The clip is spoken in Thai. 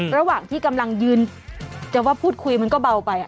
ระหว่างที่กำลังยืนจะว่าพูดคุยมันก็เบาไป